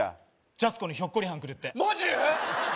ジャスコにひょっこりはん来るってマジ！？